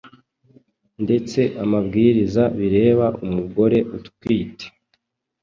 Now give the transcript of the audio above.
ndetse amabwiriza bireba umugore utwite.